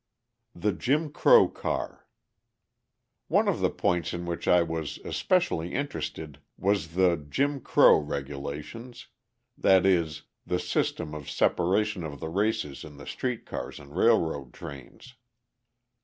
The Jim Crow Car One of the points in which I was especially interested was the "Jim Crow" regulations, that is, the system of separation of the races in street cars and railroad trains.